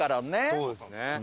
そうですね。